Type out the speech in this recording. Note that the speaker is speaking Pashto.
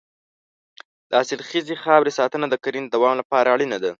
د حاصلخیزې خاورې ساتنه د کرنې د دوام لپاره اړینه ده.